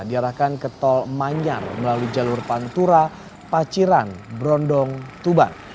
diarahkan ke tol manyar melalui jalur pantura paciran brondong tuban